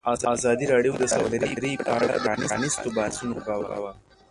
ازادي راډیو د سوداګري په اړه د پرانیستو بحثونو کوربه وه.